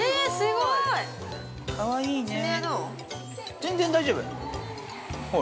◆全然大丈夫。